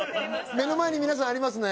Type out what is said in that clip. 目の前に皆さんありますね。